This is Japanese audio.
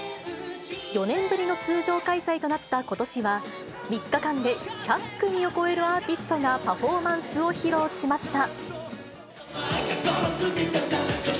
４年ぶりの通常開催となったことしは、３日間で１００組を超えるアーティストがパフォーマンスを披露しました。